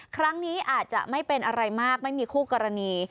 ครั้งนี้อาจจะไม่เป็นอะไรมากไม่มีคู่กรณี